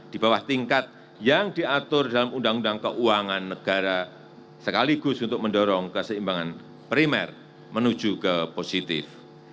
di bawah tingkat yang diatur dalam undang undang keuangan negara sekaligus untuk mendorong keseimbangan primer menuju ke positif